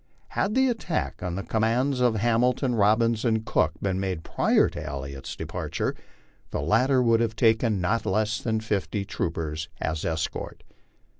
Had the attack on the commands of Hamilton, Bobbins, and Cook been made prior to Elliott's departure, the latter would have taken not less than fifty troopers as escort.